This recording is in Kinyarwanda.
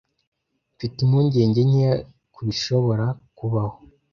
Mfite impungenge nkeya kubishobora kubaho.